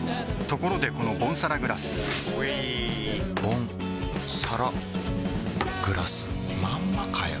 ところでこのボンサラグラスうぃボンサラグラスまんまかよ